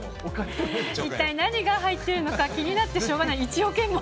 一体何が入っているのか気になってしょうがない、１億円も。